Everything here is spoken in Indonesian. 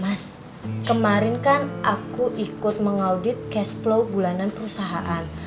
mas kemarin kan aku ikut mengaudit cash flow bulanan perusahaan